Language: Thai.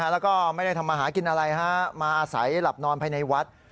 แล้วก็ไม่ได้ทำมาหากินอะไรมาอาศัยหลับนอนภายในวัด